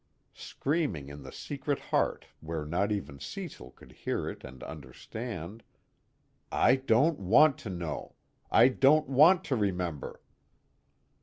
Screaming in the secret heart where not even Cecil could hear it and understand: _I don't want to know! I don't want to remember!